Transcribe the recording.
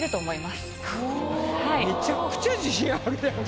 めちゃくちゃ自信あるやん。